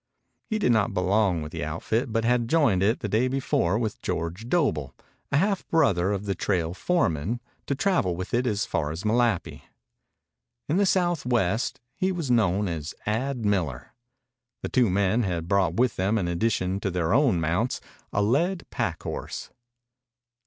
He did not belong with the outfit, but had joined it the day before with George Doble, a half brother of the trail foreman, to travel with it as far as Malapi. In the Southwest he was known as Ad Miller. The two men had brought with them in addition to their own mounts a led pack horse.